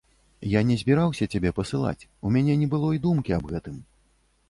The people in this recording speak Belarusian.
Я не збіраўся цябе пасылаць, у мяне не было і думкі аб гэтым.